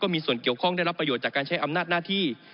มีส่วนเกี่ยวข้องได้รับประโยชน์จากการใช้อำนาจหน้าที่